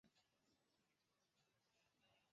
但周日请注意交通堵塞情况。